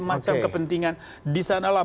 macam kepentingan disanalah